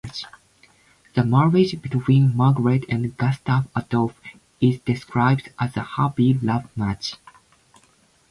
The marriage between Margaret and Gustaf Adolf is described as a happy love match.